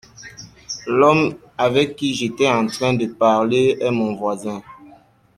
L’homme avec qui j’étais en train de parler est mon voisin.